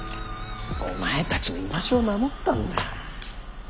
お前たちの居場所を守ったんだ。